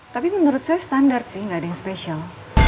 tapi menurut saya standar sih nggak ada yang spesial